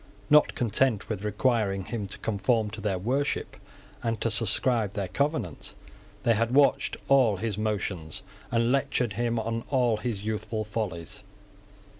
Not content with requiring him to conform to their worship and to subscribe their Covenant, they had watched all his motions, and lectured him on all his youthful follies.